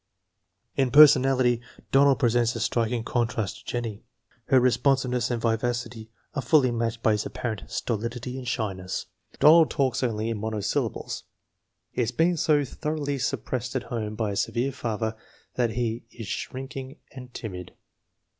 In personality Donald presents a striking contrast to Jen nie. Her responsiveness and vivacity are fully matched by his apparent stolidity and shyness. Donald talks only in monosyllables. He has been so thoroughly suppressed at home by a severe father that he is shrinking and timid.